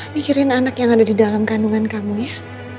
mikirin anak yang ada di dalam kandungan kamu ya